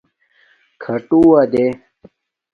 کھاٹووہ دیں